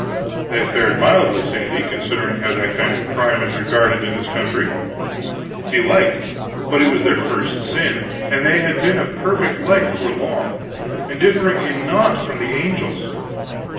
"They fared mildly, Sandy, considering how that kind of crime is regarded in this country." "Belike; but it was their first sin; and they had been of perfect life for long, and differing in naught from the angels.